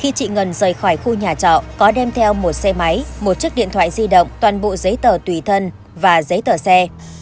khi chị ngân rời khỏi khu nhà trọ có đem theo một xe máy một chiếc điện thoại di động toàn bộ giấy tờ tùy thân và giấy tờ xe